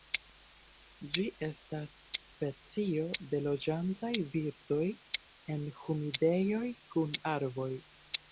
Ĝi estas specio de loĝantaj birdoj en humidejoj kun arboj.